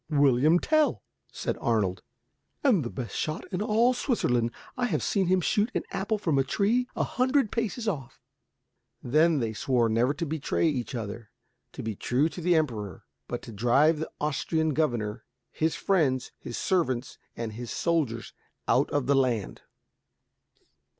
"William Tell," said Arnold, "and the best shot in all Switzerland. I have seen him shoot an apple from a tree a hundred paces off." Then they swore never to betray each other, to be true to the Emperor, but to drive the Austrian governor, his friends, his servants, and his soldiers out of the land.